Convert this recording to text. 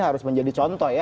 adalah contoh ya